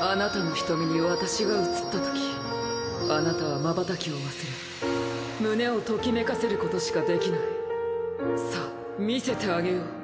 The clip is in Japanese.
あなたの瞳に私が映ったときあなたはまばたきを忘れ胸をときめかせることしかできないさぁ見せてあげよう。